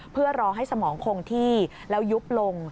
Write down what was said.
เพื่อรอให้สมองคงที่แล้วยุบลง